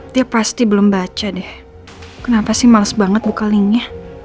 dia pasti belum baca deh kenapa sih males banget buka linknya